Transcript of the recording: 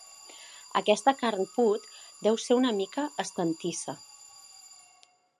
Aquesta carn put: deu ésser una mica estantissa.